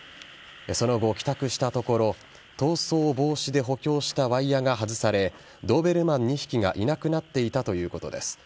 その後、帰宅したところ逃走防止で補強したワイヤーが外されドーベルマン２匹がいなくなっていたということです。